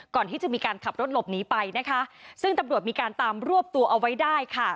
ก่อนที่จะมีการขับรถหลบหนีไปนะคะซึ่งตำรวจมีการตามรวบตัวเอาไว้ได้ค่ะ